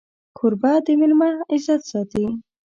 کوربه د مېلمه عزت ساتي.